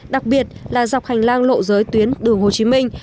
đặc biệt là dọc hành lang lộ giới tuyến đường hồ chí minh